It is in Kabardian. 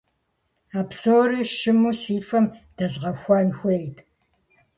А псори щыму си фэм дэзгъэхуэн хуейт.